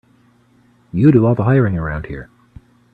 You do all the hiring around here.